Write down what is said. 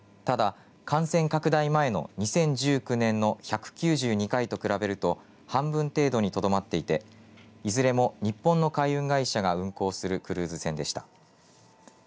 ただ感染拡大前の２０１９年の１９２回と比べると半分程度にとどまっていて、いずれも日本の海運会社が運航するクルーズ船でした。